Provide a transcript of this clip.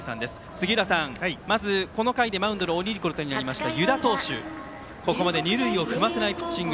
杉浦さん、まずこの回でマウンドを降りることになった湯田投手、ここまで二塁を踏ませないピッチング